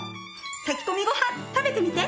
炊き込みご飯食べてみて！